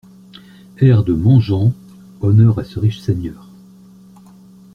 Air de MANGEANT {Honneur à ce riche seigneur .